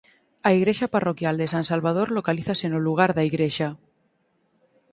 A igrexa parroquial de San Salvador localízase no lugar da Igrexa.